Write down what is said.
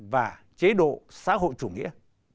và chế độ xã hội chủ nghĩa